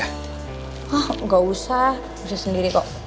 hah gak usah bisa sendiri kok